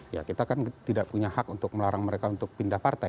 ya kita kan tidak punya hak untuk melarang mereka untuk pindah partai